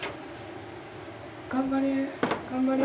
頑張れ頑張れ。